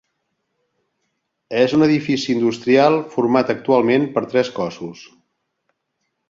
És un edifici industrial format actualment per tres cossos.